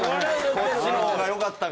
こっちの方が良かったか。